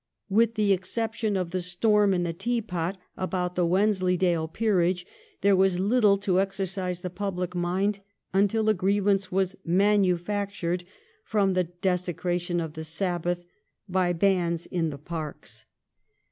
With the exception of the storm in the teapot about the Wensleydale peerage, there was little to exercise the public mind until a grievance was manufactured from the '* desecration of the Sabbath ^' by bands in the parks.